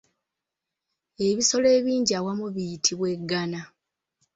Ebisolo ebingi awamu biyitibwa eggana.